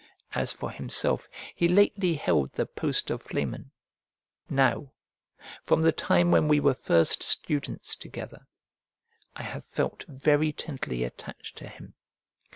As for himself, he lately held the post of flamen. Now, from the time when we were first students together, I have felt very tenderly attached to him.